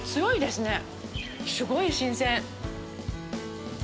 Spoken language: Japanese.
すごい新鮮！